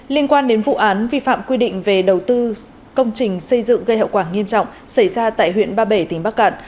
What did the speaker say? liên quan đến vụ án vi phạm quy định về đầu tư công trình xây dựng gây hậu quả nghiêm trọng xảy ra tại huyện ba bể tỉnh bắc cạn